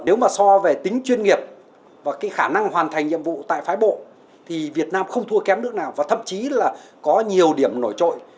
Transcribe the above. nếu mà so về tính chuyên nghiệp và cái khả năng hoàn thành nhiệm vụ tại phái bộ thì việt nam không thua kém nước nào và thậm chí là có nhiều điểm nổi trội